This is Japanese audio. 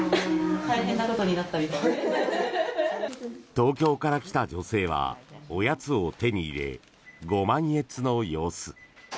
東京から来た女性はおやつを手に入れご満悦の様子。